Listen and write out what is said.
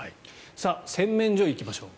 洗面所に行きましょう。